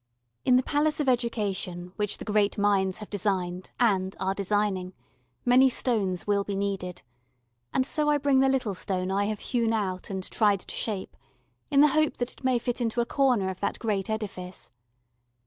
In the Palace of Education which the great minds have designed and are designing, many stones will be needed and so I bring the little stone I have hewn out and tried to shape, in the hope that it may fit into a corner of that great edifice.